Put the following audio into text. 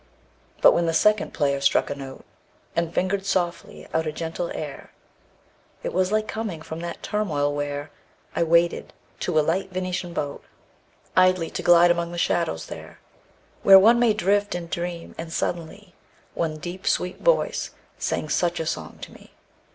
II. But when the second player struck a note And fingered softly out a gentle air It was like coming from that turmoil where I waited, to a light Venetian boat, Idly to glide among the shadows, there Where one may drift and dream; and suddenly One deep sweet voice sang such a song to me.